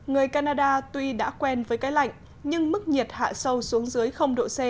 người canada tuy đã quen với cái lạnh nhưng mức nhiệt hạ sâu xuống dưới độ c